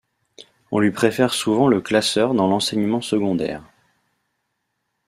On lui préfère souvent le classeur dans l'enseignement secondaire.